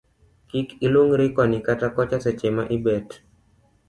Kik ilung'ri koni kata kocha seche ma ibet